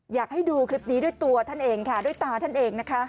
อยากให้ดูคลิปนี้ด้วยตัวท่านเองค่ะด้วยตาท่านเองนะคะ